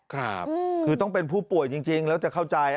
ครับคือต้องเป็นผู้ป่วยจริงแล้วจะเข้าใจ